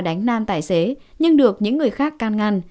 đánh nam tài xế nhưng được những người khác can ngăn